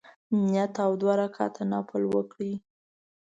نیت او دوه رکعته نفل وکړي.